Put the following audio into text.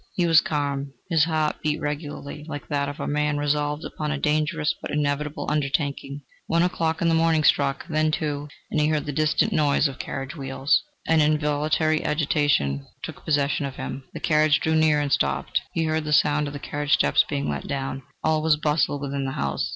He was calm; his heart beat regularly, like that of a man resolved upon a dangerous but inevitable undertaking. One o'clock in the morning struck; then two; and he heard the distant noise of carriage wheels. An involuntary agitation took possession of him. The carriage drew near and stopped. He heard the sound of the carriage steps being let down. All was bustle within the house.